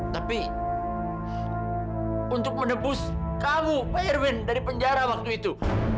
tapi untuk menembus kamu pak irwin dari penjara waktu itu